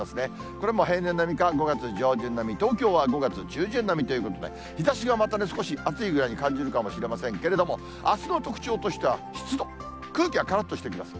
これもう、平年並みか５月上旬並み、東京は５月中旬並みということで、日ざしがまたね、少し暑いぐらいに感じるかもしれませんけれども、あすの特徴としては湿度、空気がからっとしてきます。